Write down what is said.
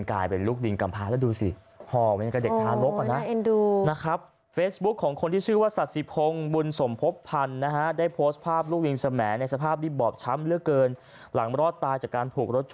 คุณผู้ชมเป็นลิงสมแหมแม่ลูกออด